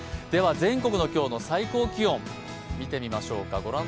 全国の今日の最高気温、見てみましょう。